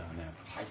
はい。